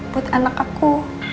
buat anak aku